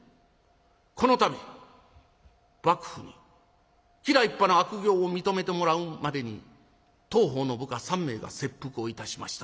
この度幕府に吉良一派の悪行を認めてもらうまでに当方の部下３名が切腹をいたしました。